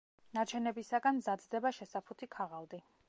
ნარჩენებისაგან მზადდება შესაფუთი ქაღალდი.